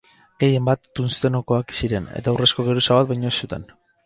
Gehienbat tungstenokoak ziren, eta urrezko geruza bat baino ez zuten.